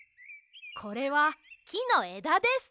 これはきのえだです。